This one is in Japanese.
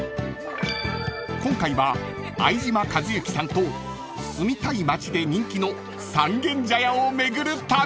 ［今回は相島一之さんと住みたい街で人気の三軒茶屋を巡る旅］